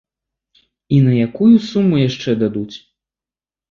І на якую суму яшчэ дадуць?